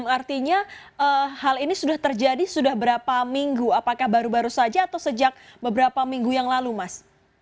artinya hal ini sudah terjadi sudah berapa minggu apakah baru baru saja atau sejak beberapa minggu yang lalu mas